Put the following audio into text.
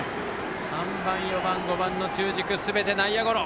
３番、４番、５番の中軸すべて内野ゴロ！